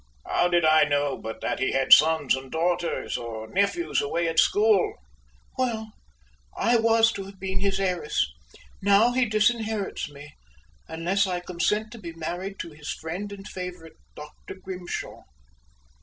How did I know but that he had sons and daughters, or nephews away at school!" "Well, I was to have been his heiress. Now he disinherits me, unless I consent to be married to his friend and favorite, Dr. Grimshaw."